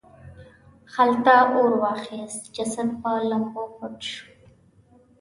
خلته اور واخیست جسد په لمبو پټ شو.